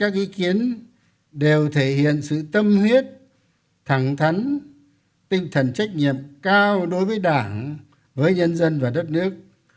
các ý kiến đều thể hiện sự tâm huyết thẳng thắn tinh thần trách nhiệm cao đối với đảng với nhân dân và đất nước